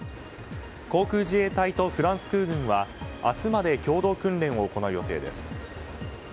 航空自衛隊とフランス空軍は明日まで共同訓練を行う予定です。